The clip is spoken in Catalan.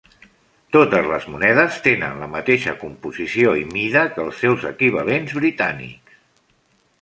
Totes les monedes tenen la mateix composició i mida que els seus equivalents britànics.